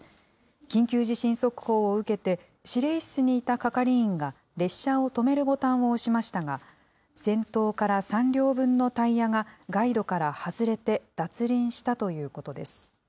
緊急地震速報を受けて、指令室にいた係員が列車を止めるボタンを押しましたが、先頭から３両分のタイヤがガイドから外れて脱輪したということです。